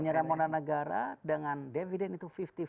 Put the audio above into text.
penyertaan modal negara dengan dividend itu lima puluh lima puluh